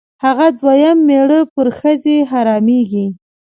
هغه دویم مېړه پر ښځې حرامېږي.